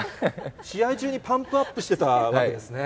試合中にパンプアップしてたわけですね。